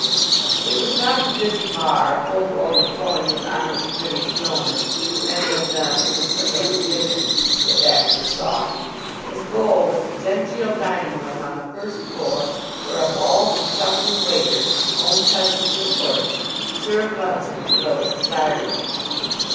It was not the busy bar, full to overflowing with honest British yeomen many of them in a similar condition that Baxter sought. His goal was the genteel dining room on the first floor, where a bald and shuffling waiter, own cousin to a tortoise, served luncheon to those desiring it.